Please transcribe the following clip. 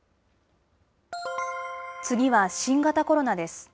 次は新型コロナです。